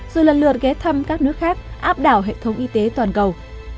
dù lần lượt ghé thăm các nước khác áp đảo hệ thống y tế toàn cầu